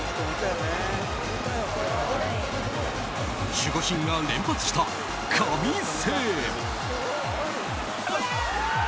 守護神が連発した神セーブ。